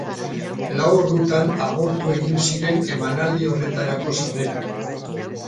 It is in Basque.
Lau ordutan agortu egin ziren emanaldi horretarako sarrerak.